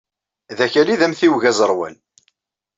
D Akal ay d amtiweg aẓerwal.